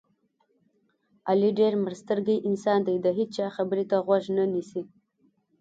علي ډېر مړسترګی انسان دی دې هېچا خبرې ته غوږ نه نیسي.